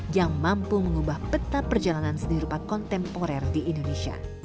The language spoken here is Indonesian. yang mampu mengubah peta perjalanan seni rupa kontemporer di indonesia